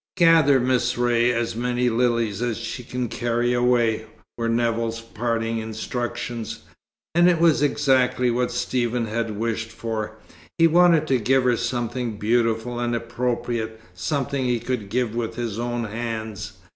"Gather Miss Ray as many lilies as she can carry away," were Nevill's parting instructions. And it was exactly what Stephen had wished for. He wanted to give her something beautiful and appropriate, something he could give with his own hands.